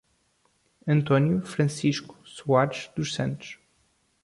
Antônio Francisco Soares dos Santos